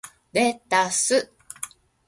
レタス